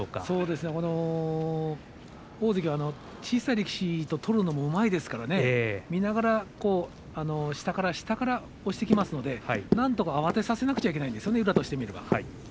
そうですね、大関は小さい力士と取るのもうまいですから下から下から押していきますのでなんとか慌てさせなくてはいけないんですね、宇良からすると。